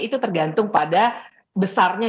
itu tergantung pada besarnya